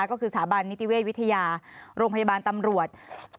ก็คือสถาบันนิติเวชวิทยาโรงพยาบาลตำรวจ